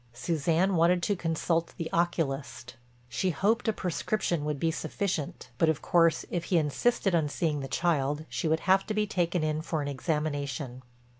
Suzanne wanted to consult the oculist; she hoped a prescription would be sufficient, but of course if he insisted on seeing the child she would have to be taken in for an examination.